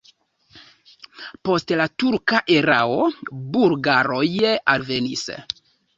Post la turka erao bulgaroj alvenis.